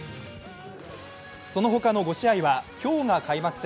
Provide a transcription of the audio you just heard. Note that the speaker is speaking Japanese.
その他の５試合は今日が開幕戦。